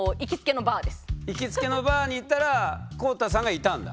いきつけのバーに行ったら公太さんがいたんだ？